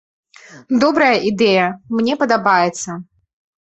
Добрая ідэя, мне падабаецца.